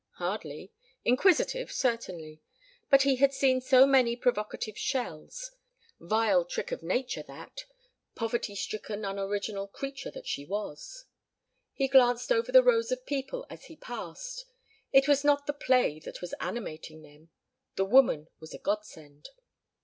Hardly. Inquisitive, certainly. But he had seen so many provocative shells. Vile trick of nature, that poverty stricken unoriginal creature that she was. He glanced over the rows of people as he passed. It was not the play that was animating them. The woman was a godsend.